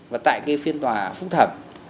và tại cái phiên tòa phúc thẩm